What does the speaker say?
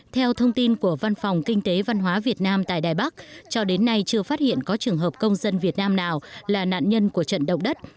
theo thông tin của văn phòng kinh tế văn hóa việt nam tại đài bắc cho đến nay chưa phát hiện có trường hợp công dân việt nam nào là nạn nhân của trận động đất